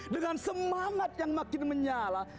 dengan semangat yang makin menyala